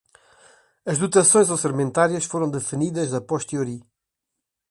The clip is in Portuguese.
As dotações orçamentárias foram definidas a posteriori